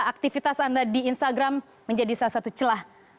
aktivitas anda di instagram menjadi salah satu celah